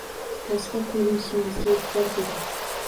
Tashqi ko‘rinishingizga e’tibor bering.